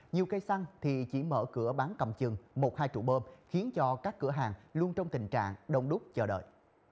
nhiều cây xăng thì chỉ mở cửa bán cầm chừng một hai trụ bơm khiến cho các cửa hàng luôn trong tình trạng đông đúc chờ đợi